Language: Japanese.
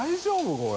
これ。